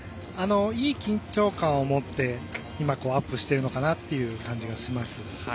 いい緊張感を持って今、アップしているのかなという感じがします。